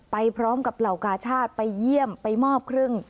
ไปพร้อมกับเหล่ากาชาติไปเยี่ยมไปมอบครึ่ง